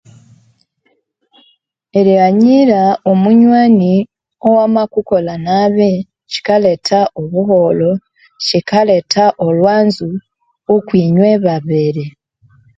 Erighanyira omunyani owamakukola nabi kikaletha obunyani nolhwanzo okwinye babiri